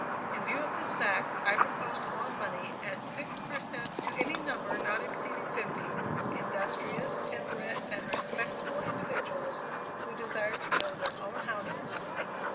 In view of this fact, I propose to loan money at six per cent to any number, not exceeding fifty, industrious, temperate and respectable individuals, who desire to build their own houses.